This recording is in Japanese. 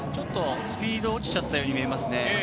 スピード落ちちゃったように見えますね。